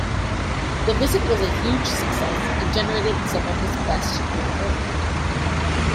The visit was a huge success and generated some of his best known work.